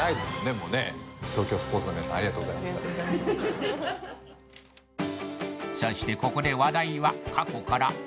もうねそしてここで話題は過去から未来へ